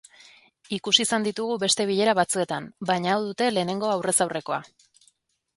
Ikusi izan ditugu beste bilera batzuetan, baina hau dute lehenengo aurrez aurrekoa.